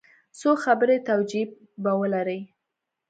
څو خبري توجیې به ولري.